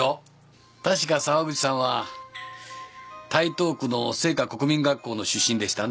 確か沢口さんは台東区の誠華国民学校の出身でしたね？